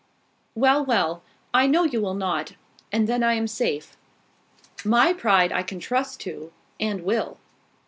"Well, well! I know you will not: and then I am safe. My pride I can trust to, and I will."